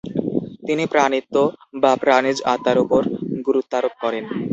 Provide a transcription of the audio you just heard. তিনি প্রাণিত্ব বা প্রাণিজ আত্মার ওপর গুরুত্বারোপ করেন।